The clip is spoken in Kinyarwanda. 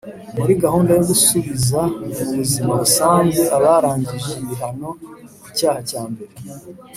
Muri gahunda yo gusubiza mu buzima busanzwe abarangije ibihano ku cyaha cyambere